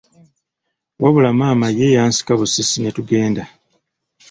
Wabula maama ye yansikabusisi ne tugenda.